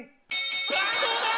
さぁどうだ